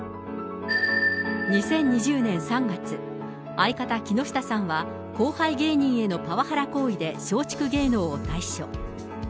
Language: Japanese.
２０２０年３月、相方、木下さんは後輩芸人へのパワハラ行為で松竹芸能を退所。